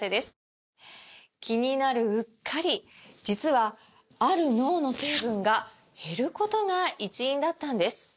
気になるうっかり実はある脳の成分が減ることが一因だったんです